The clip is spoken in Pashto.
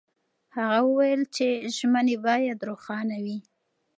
هغه وویل چې ژمنې باید روښانه وي.